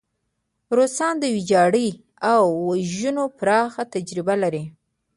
روسان د ویجاړۍ او وژنو پراخه تجربه لري.